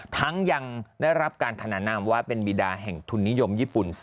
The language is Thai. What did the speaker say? ยังได้รับการขนานนามว่าเป็นบีดาแห่งทุนนิยมญี่ปุ่น